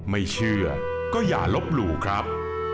ไม่เชื่อก็อย่าลบหลู่ครับ